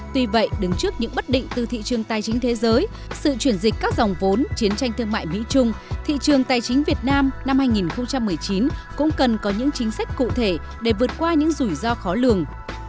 tuy vậy đứng trước những bất định từ thị trường tài chính thế giới sự chuyển dịch các dòng vốn chiến tranh thương mại mỹ trung thị trường tài chính việt nam năm hai nghìn một mươi chín cũng cần có những chính sách cụ thể để vượt qua những rủi ro khó lường